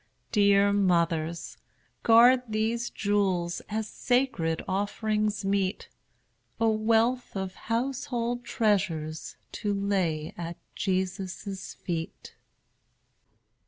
Dear mothers, guard these jewels As sacred offerings meet, A wealth of household treasures, To lay at Jesus' feet.